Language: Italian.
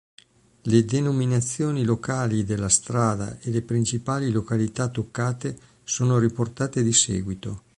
Le denominazioni locali della strada e le principali località toccate sono riportate di seguito.